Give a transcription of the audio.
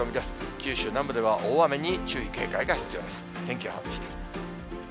九州南部では大雨に注意、警戒が必要です。